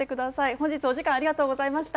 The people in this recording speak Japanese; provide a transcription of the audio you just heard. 本日はお時間ありがとうございました。